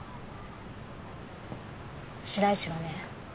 白石はね